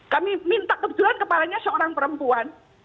kami minta kebetulan kepalanya seorang perempuan